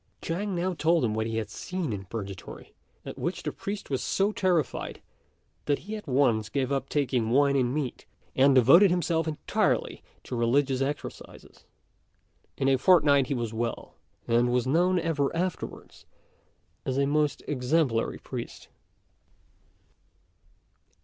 Chang now told him what he had seen in Purgatory, at which the priest was so terrified, that he at once gave up taking wine and meat, and devoted himself entirely to religious exercises. In a fortnight he was well, and was known ever afterwards as a most exemplary priest.